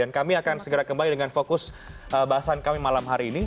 dan kami akan segera kembali dengan fokus bahasan kami malam hari ini